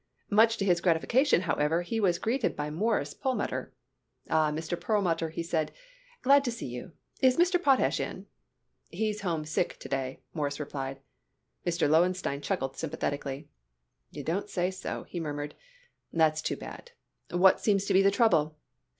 Much to his gratification, however, he was greeted by Morris Perlmutter. "Ah, Mr. Perlmutter," he said; "glad to see you. Is Mr. Potash in?" "He's home, sick, to day," Morris replied. Mr. Lowenstein clucked sympathetically. "You don't say so," he murmured. "That's too bad. What seems to be the trouble?"